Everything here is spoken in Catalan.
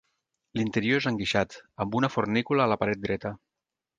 L'interior és enguixat, amb una fornícula a la paret dreta.